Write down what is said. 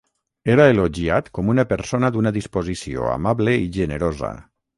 Era elogiat com una persona d'una disposició amable i generosa.